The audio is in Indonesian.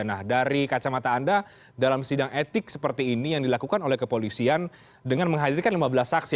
nah dari kacamata anda dalam sidang etik seperti ini yang dilakukan oleh kepolisian dengan menghadirkan lima belas saksi